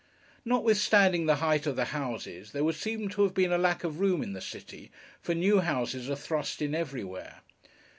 Notwithstanding the height of the houses, there would seem to have been a lack of room in the City, for new houses are thrust in everywhere.